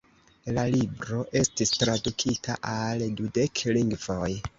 La libro estis tradukita al dudek lingvoj.